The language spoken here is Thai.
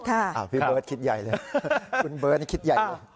อ่าพี่เบิร์ทคิดใหญ่เลย